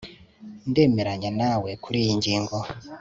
Ndemeranya nawe kuriyi ngingo